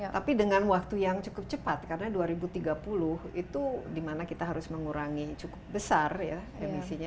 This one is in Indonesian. tapi dengan waktu yang cukup cepat karena dua ribu tiga puluh itu dimana kita harus mengurangi cukup besar ya emisinya